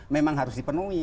memang harus dipenuhi